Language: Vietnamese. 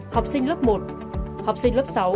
học sinh lớp một học sinh lớp sáu